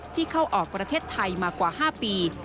เข้าออกประเทศไทยมากว่า๕ปี